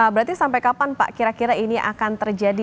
berarti sampai kapan pak kira kira ini akan terjadi